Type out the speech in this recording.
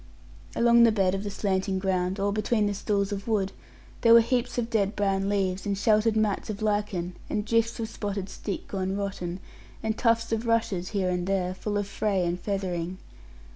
Along the bed of the slanting ground, all between the stools of wood, there were heaps of dead brown leaves, and sheltered mats of lichen, and drifts of spotted stick gone rotten, and tufts of rushes here and there, full of fray and feathering.